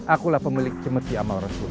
akulah pemilik jemeti amal rasul